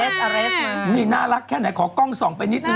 นี่ไงมั้ยนี่น่ารักแค่ไหนขอกล้องส่องไปนิดนึง